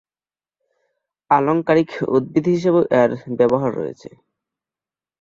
আলংকারিক উদ্ভিদ হিসেবেও এর ব্যবহার রয়েছে।